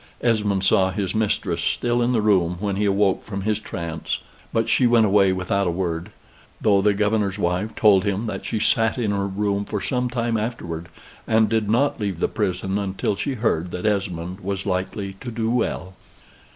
Esmond saw his mistress still in the room when he awoke from his trance; but she went away without a word; though the governor's wife told him that she sat in her room for some time afterward, and did not leave the prison until she heard that Esmond was likely to do well.